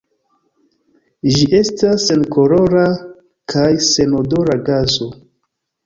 Ĝi estas senkolora kaj senodora gaso.